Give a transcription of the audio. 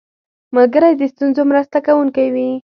ملګری د ستونزو مرسته کوونکی وي